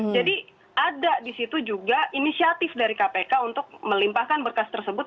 jadi ada di situ juga inisiatif dari kpk untuk melimpahkan berkas tersebut